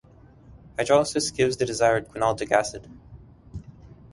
Hydrolysis gives the desired quinaldic acid.